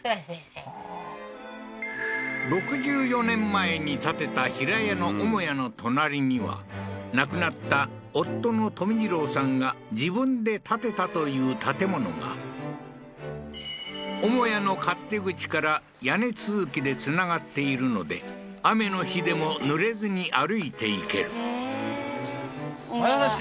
そうそうそう６４年前に建てた平屋の母屋の隣には亡くなった夫の富次郎さんが自分で建てたという建物が母屋の勝手口から屋根続きで繋がっているので雨の日でもぬれずに歩いていけるええー前田さん